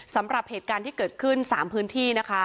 สำหรับเหตุการณ์ที่เกิดขึ้น๓พื้นที่นะคะ